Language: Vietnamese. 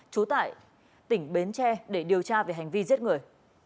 chú tại tỉnh biến tre để điều tra về hành vi giết người